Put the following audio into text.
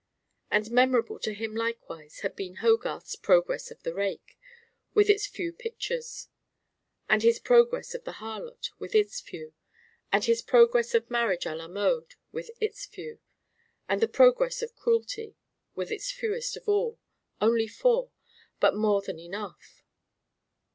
And memorable to him likewise had been Hogarth's Progress of the Rake with its few pictures; and his Progress of the Harlot with its few; and his Progress of Marriage à la Mode with its few; and the Progress of Cruelty with its fewest of all only four, but more than enough!